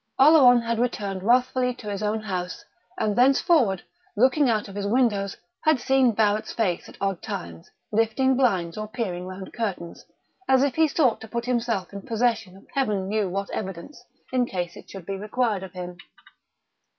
Oleron had returned wrathfully to his own house, and thenceforward, looking out of his windows, had seen Barrett's face at odd times, lifting blinds or peering round curtains, as if he sought to put himself in possession of Heaven knew what evidence, in case it should be required of him.